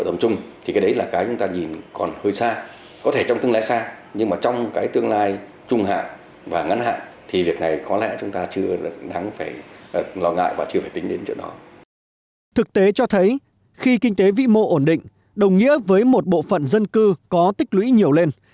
đồng nghĩa với một bộ phận dân cư có tích lũy nhiều lên